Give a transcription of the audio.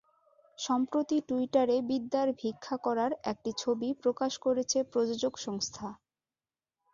সম্প্রতি টুইটারে বিদ্যার ভিক্ষা করার একটি ছবি প্রকাশ করেছে প্রযোজক সংস্থা।